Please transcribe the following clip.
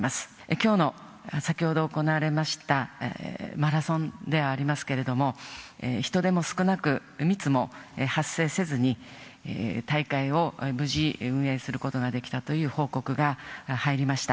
きょうの先ほど行われましたマラソンでありますけれども、人出も少なく、密も発生せずに、大会を無事運営することができたという報告が入りました。